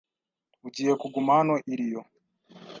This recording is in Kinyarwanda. Ugiye kuguma hano i Rio?